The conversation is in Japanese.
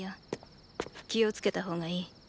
気をつけた方がいい。